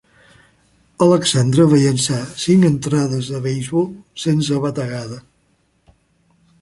Alexandre va llançar cinc entrades de beisbol sense bategada.